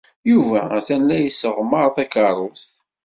Yuba atan la yesseɣmar takeṛṛust.